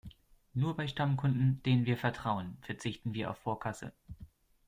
Nur bei Stammkunden, denen wir vertrauen, verzichten wir auf Vorkasse.